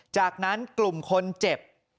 จากนั้นกลุ่มคนเจ็บ